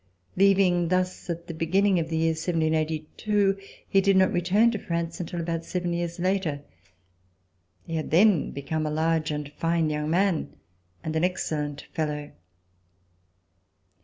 Leaving thus at the beginning of the year 1782, he did not return to France until about seven years later. He had then become a large and fine young man and an excellent fellow.